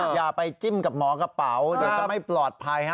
อย่าไปจิ้มกับหมอกระเป๋าจะไม่ปลอดภัย